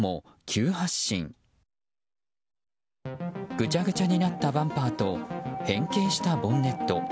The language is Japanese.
ぐちゃぐちゃになったバンパーと、変形したボンネット。